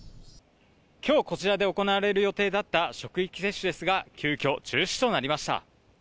きょうこちらで行われる予定だった、職域接種ですが、急きょ、中止となりました。